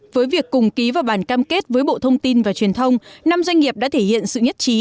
với việc cùng ký vào bản cam kết với bộ thông tin và truyền thông năm doanh nghiệp đã thể hiện sự nhất trí